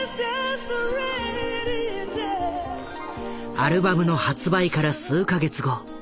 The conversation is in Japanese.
アルバムの発売から数か月後